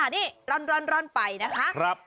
ร่อนร่อนร่อนร่อนไปนะคะ